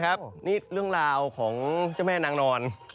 ครับนี่เรื่องราวของเจ้าแม่นางนอน